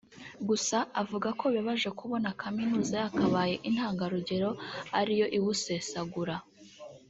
gusa avuga ko bibabaje kubona Kaminuza yakabaye intangarugero ari yo iwusesagura